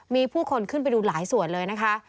มีผู้คนขึ้นไปดูหลายส่วนเลยนะคะ